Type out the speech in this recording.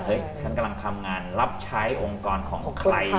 ฉันกำลังทำงานรับใช้องค์กรของใคร